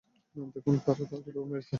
দেখুন তারা তাকে কিভাবে মেরেছে!